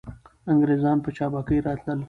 انګریزان په چابکۍ راتلل.